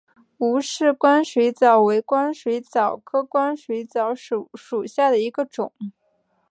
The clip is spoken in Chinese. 吴氏光水蚤为光水蚤科光水蚤属下的一个种。